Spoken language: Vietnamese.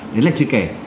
đấy là chứ kể